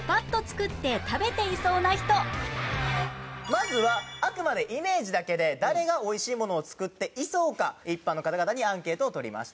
まずはあくまでイメージだけで誰がおいしいものを作っていそうか一般の方々にアンケートを取りました。